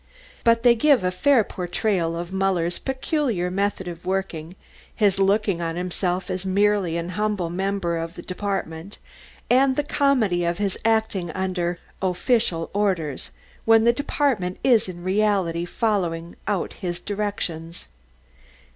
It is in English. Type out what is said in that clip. But they give a fair portrayal of Muller's peculiar method of working, his looking on himself as merely an humble member of the Department, and the comedy of his acting under "official orders" when the Department is in reality following out his directions.